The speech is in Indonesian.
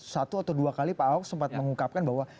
satu atau dua kali pak ahok sempat mengungkapkan bahwa